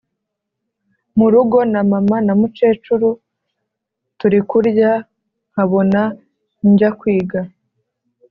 murugo na mama namukecuru turi kurya nkabona njya kwiga